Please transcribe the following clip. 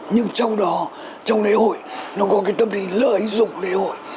nhưng trong đó trong lễ hội nó có cái tâm lý lợi dụng lễ hội